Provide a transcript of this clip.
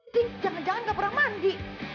ting jangan jangan gak pernah mandi